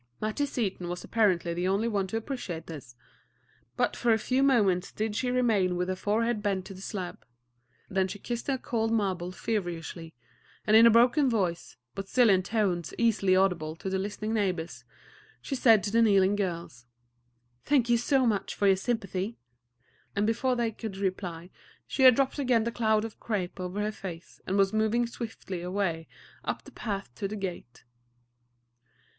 Mattie Seaton was apparently the only one to appreciate this. But for a few moments did she remain with her forehead bent to the slab; then she kissed the cold marble feverishly; and in a voice broken, but still in tones easily audible to the listening neighbors, she said to the kneeling girls: "Thank you so much for your sympathy;" and before they could reply she had dropped again the cloud of crape over her face, and was moving swiftly away up the path to the gate.